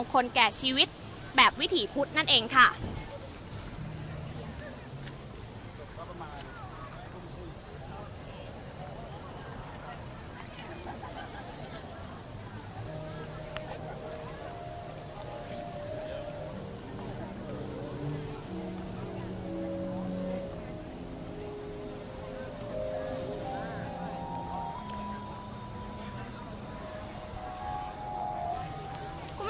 อาจจะออกมาใช้สิทธิ์กันแล้วก็จะอยู่ยาวถึงในข้ามคืนนี้เลยนะคะ